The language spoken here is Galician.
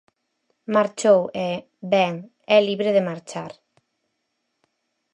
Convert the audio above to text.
Marchou e, ben, é libre de marchar.